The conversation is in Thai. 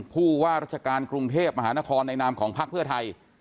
ผู้ว่าราชการกรุงเทพมหานครในนามของพักเพื่อไทย